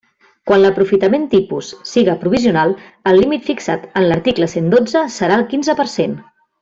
Quan l'aprofitament tipus siga provisional, el límit fixat en l'article cent dotze serà del quinze per cent.